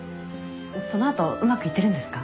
その後うまくいってるんですか？